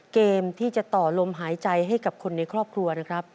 เกมที่จะต่อลมหายใจให้กับคนในครอบครัวนะครับ